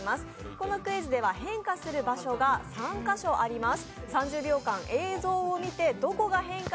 このクイズでは変化する場所が３か所あります。